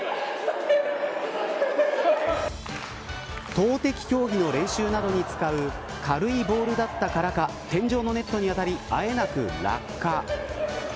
投てき競技の練習などに使う軽いボールだったからか天井のネットに当たりあえなく落下。